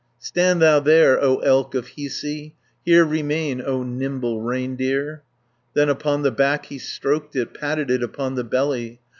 "Stand thou there, O elk of Hiisi, Here remain, O nimble reindeer!" Then upon the back he stroked it, Patted it upon the belly.